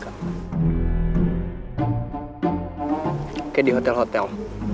kayak di hotel hotel